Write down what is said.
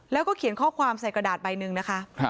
แล้วก็เขียนข้อความใส่กระดาษใบหนึ่งนะคะ